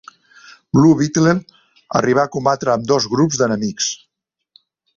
Blue Beetle arriba a combatre ambdós grups d'enemics.